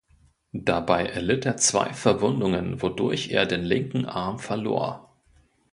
Dabei erlitt er zwei Verwundungen, wodurch er den linken Arm verlor.